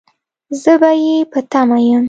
زه به يې په تمه يم